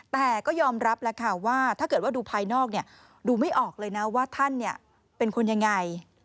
แต่ก็ยอมรับแล้วค่ะว่าถ้าเกิดว่าดูภายนอกดูไม่ออกเลยนะว่าท่านเป็นคนยังไง